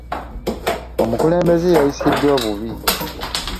Omukulembeze yayisiddwa bubi.